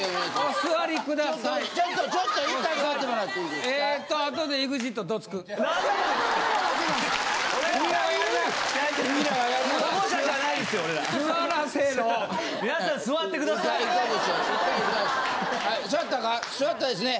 座ったですね？